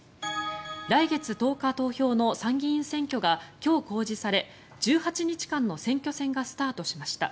来月１０日投票の参議院選挙が今日公示され、１８日間の選挙戦がスタートしました。